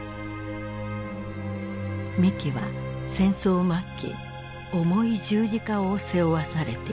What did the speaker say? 三木は戦争末期重い十字架を背負わされている。